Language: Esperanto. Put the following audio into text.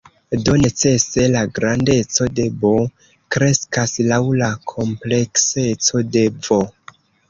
Do, necese la grandeco de "B" kreskas laŭ la komplekseco de "V".